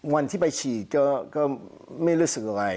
วันที่ไปฉีดก็ไม่รู้สึกอะไร